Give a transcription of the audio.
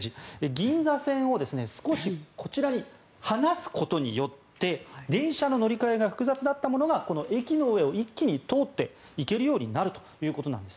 銀座線を少しこちらに離すことによって電車の乗り換えが複雑だったものがこの駅の上を一気に通っていけるようになるということです。